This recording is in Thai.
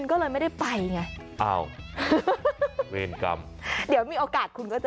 โอเคค่ะ